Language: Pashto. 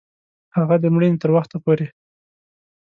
هغه د مړینې تر وخت پوري